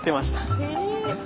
へえ。